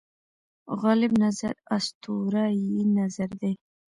غالب نظر اسطوره یي نظر دی.